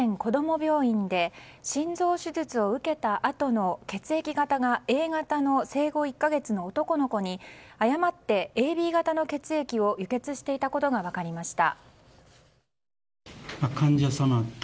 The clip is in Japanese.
病院で心臓手術を受けたあとの血液型がＡ型の生後１か月の男の子に誤ってＡＢ型の血液を輸血していたことが分かりました。